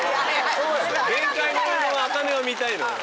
限界超えの茜を見たいのよ。